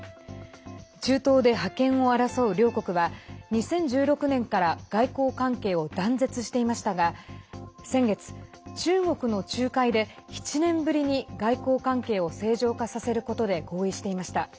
中東で覇権を争う両国は２０１６年から外交関係を断絶していましたが先月、中国の仲介で７年ぶりに外交関係を正常化させることで合意していました。